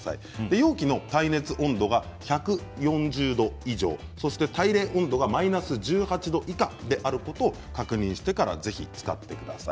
容器の耐熱温度が１４０度以上耐冷温度はマイナス１８度以下であることを確認してから使ってください。